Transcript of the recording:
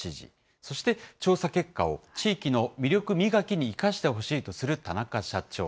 そして、調査結果を地域の魅力磨きに生かしてほしいとする田中社長。